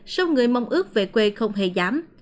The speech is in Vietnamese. số người mong ước về quê không hề giảm